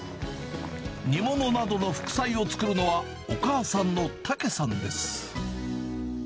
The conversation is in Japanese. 煮物などの副菜を作るのは、お母さんのタケさんです。